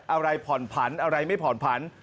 อะไรผ่อนผันอะไรไม่ผ่อนผัน